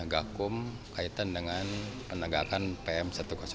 gakum kaitan dengan penegakan pm satu ratus dua